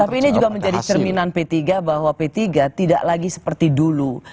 tapi ini juga menjadi cerminan p tiga bahwa p tiga tidak lagi seperti dulu